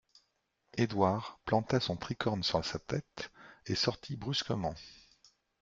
Édouard planta son tricorne sur sa tête et sortit brusquement.